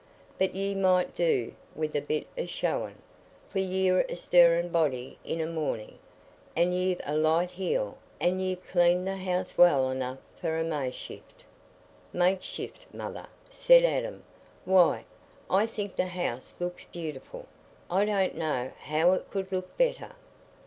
But ye might do, wi' a bit o' showin'; for ye're a stirrin' body in a mornin', an' ye've a light heel, an' ye've cleaned th' house well enough for a ma'shift." "Makeshift, mother?" said Adam. "Why, I think the house looks beautiful. I don't know how it could look better."